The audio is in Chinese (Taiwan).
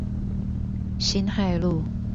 辛亥路